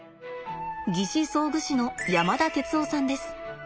義肢装具士の山田哲生さんです。